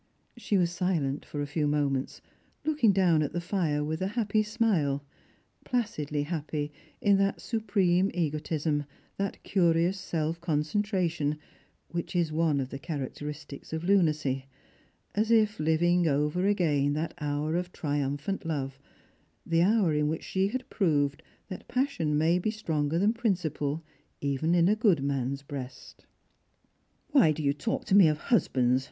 She was silent for a few moments, looking down at the fire with a happy smile, placidly happy in that supreme egotism, that curious self concentration, which is one of the charac teristics of lunacy, as if living over again that hour of trium t)hant love, the hour in which she had proved that passion may )e stronger than princii^le even in a good man's breast. " Why do you talk to me of husbands